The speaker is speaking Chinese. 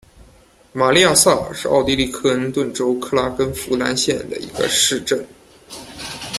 玛丽亚萨尔是奥地利克恩顿州克拉根福兰县的一个市镇。